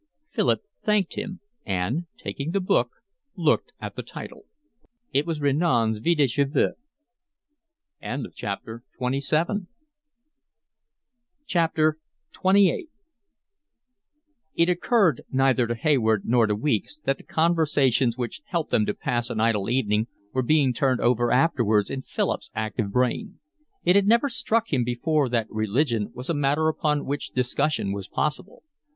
Philip thanked him and, taking the book, looked at the title. It was Renan's Vie de Jesus. XXVIII It occurred neither to Hayward nor to Weeks that the conversations which helped them to pass an idle evening were being turned over afterwards in Philip's active brain. It had never struck him before that religion was a matter upon which discussion was possible.